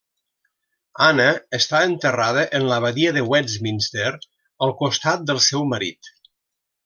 Anna està enterrada en l'Abadia de Westminster al costat del seu marit.